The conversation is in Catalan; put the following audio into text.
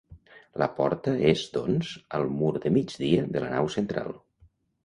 La porta és doncs al mur de migdia de la nau central.